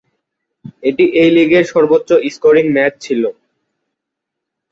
এটি এই লীগের সর্বোচ্চ 'স্কোরিং' ম্যাচ ছিল।